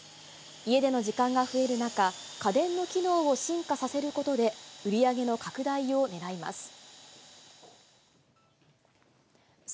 家での時間が増える中、家電の機能を進化させることで、売り上げの拡大をねらいます。